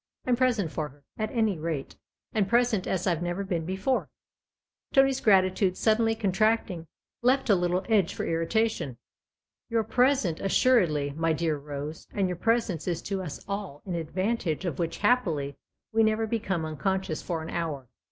I'm present for her, at any rate, and present as I've never been before." Tony's gratitude, suddenly contracting, left a little edge for irritation. " You're present, assuredly, my dear Rose, and your presence is to us all an advantage of which, happily, we never become uncon scious for an hour.